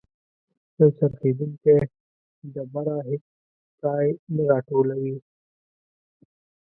یو څرخیدونکی ډبره هیڅ کای نه راټولوي.